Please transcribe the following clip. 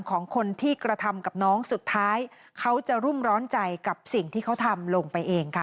ของคนที่กระทำกับน้องสุดท้ายเขาจะรุ่มร้อนใจกับสิ่งที่เขาทำลงไปเองค่ะ